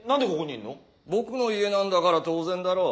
僕の家なんだから当然だろう。